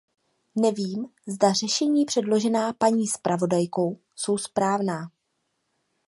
Nevím, zda řešení předložená paní zpravodajkou jsou správná.